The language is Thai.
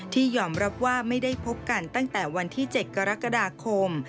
ที่ยอมรับว่าไม่ได้พบกันตั้งแต่วันที่๗กรกฎาคม